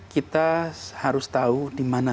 kita harus tahu di mana